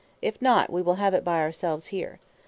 If not, we will have it by ourselves here.